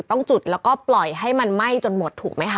ต้องจุดแล้วก็ปล่อยให้มันไหม้จนหมดถูกไหมคะ